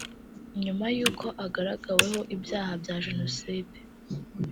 nyuma y’uko agaragaweho ibyaha bya Jenoside